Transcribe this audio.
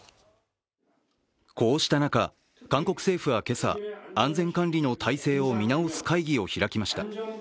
こうした中、韓国政府は今朝、安全管理の体制を見直す会議を開きました。